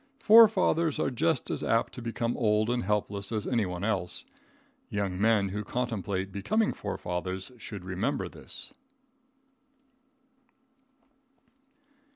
Forefathers are just as apt to become old and helpless as anyone else. Young men who contemplate becoming forefathers should remember this.